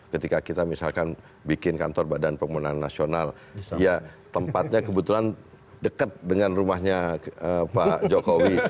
ketika kita misalkan bikin kantor badan pemenang nasional ya tempatnya kebetulan dekat dengan rumahnya pak jokowi